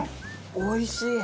おいしい！